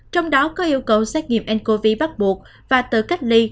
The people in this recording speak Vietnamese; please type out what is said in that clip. trong đó có yêu cầu xét nghiệm ncov bắt buộc và tự cách ly